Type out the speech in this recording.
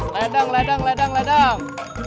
ledang ledang ledang ledang